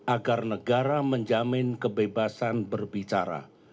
agar negara menjamin kebebasan berbicara